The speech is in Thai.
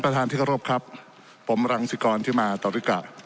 แต่ผมรังสิกรที่มาต่อธิกะ